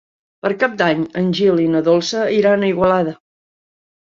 Per Cap d'Any en Gil i na Dolça iran a Igualada.